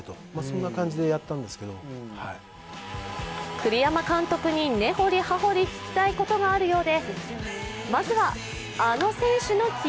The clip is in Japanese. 栗山監督に根掘り葉掘り聞きたいことがあるようで